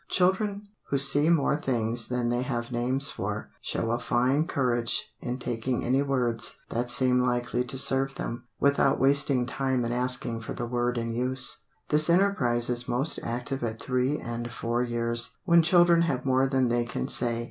Children, who see more things than they have names for, show a fine courage in taking any words that seem likely to serve them, without wasting time in asking for the word in use. This enterprise is most active at three and four years, when children have more than they can say.